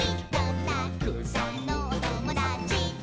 「たくさんのおともだちと」